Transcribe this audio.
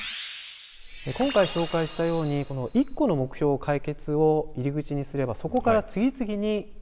今回紹介したようにこの一個の目標解決を入り口にすればそこから次々になるほどね。